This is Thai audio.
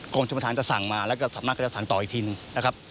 กรมชุมภาษาจะสั่งมาแล้วก็สำนักก็จะสั่งต่ออีกทีหนึ่ง